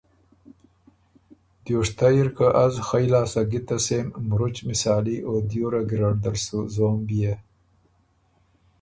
دیوشتئ اِر که از خئ لاسته ګِتس سېم مرُچ مِسالي او دیوره ګیرډ دل سُو زوم بيې۔